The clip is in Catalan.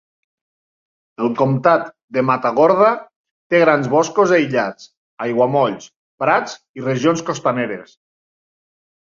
El comtat de Matagorda té grans boscos aïllats, aiguamolls, prats i regions costaneres.